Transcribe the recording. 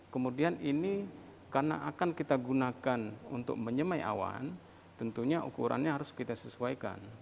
kemudian ini karena akan kita gunakan untuk menyemai awan tentunya ukurannya harus kita sesuaikan